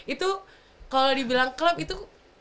itu kalau dibilang klem itu